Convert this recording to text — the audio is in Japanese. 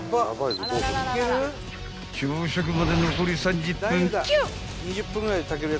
［朝食まで残り３０分強］